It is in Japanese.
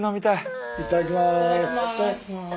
いただきます。